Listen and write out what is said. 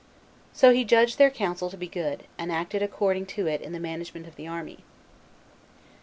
So he judged their counsel to be good, and acted according to it in the management of the army. 4.